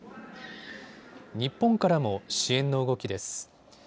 日本からも支援の動きです。